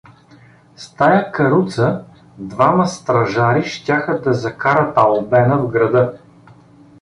С тая каруца двама стражари щяха да закарат Албена в града.